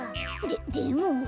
ででも。